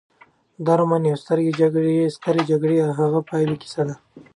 دا رومان د یوې سترې جګړې او د هغې د پایلو کیسه ده.